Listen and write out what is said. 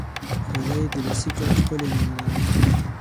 خولۍ د لاسي کار ښکلی نمونه ده.